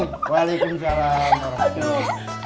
waalaikumsalam warahmatullahi wabarakatuh